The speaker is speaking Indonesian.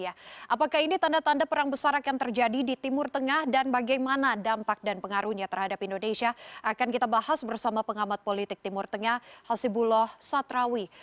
apakah ini tanda tanda perang besar akan terjadi di timur tengah dan bagaimana dampak dan pengaruhnya terhadap indonesia akan kita bahas bersama pengamat politik timur tengah hasibuloh satrawi